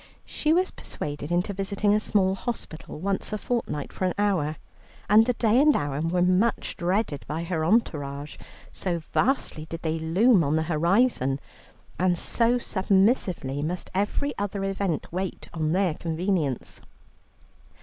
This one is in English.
She was persuaded into visiting a small hospital once a fortnight for an hour, and the day and hour were much dreaded by her entourage, so vastly did they loom on the horizon, and so submissively must every other event wait on their convenience.